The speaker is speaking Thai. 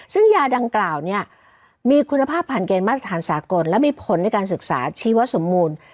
ซึ่งยาดังกล่าวเนี่ยมีคุณภาพผ่านเกณฑ์มาตรฐานสากลและมีผลในการศึกษาชีวสมบูรณ์